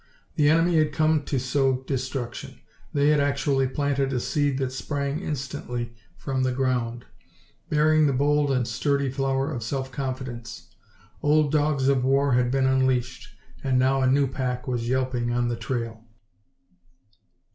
The enemy had come to sow destruction; they had actually planted a seed that sprang instantly from the ground, bearing the bold and sturdy flower of self confidence. Old dogs of war had been unleashed, and now a new pack was yelping on the trail.